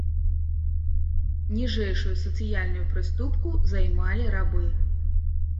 Ніжэйшую сацыяльную прыступку займалі рабы.